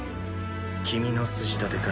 君の筋立てか？